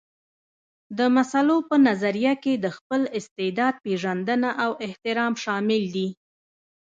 د مسلو په نظريه کې د خپل استعداد پېژندنه او احترام شامل دي.